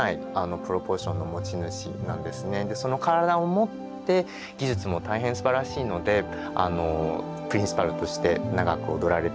でその体をもって技術も大変すばらしいのでプリンシパルとして長く踊られてこられたんだと思います。